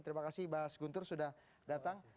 terima kasih mas guntur sudah datang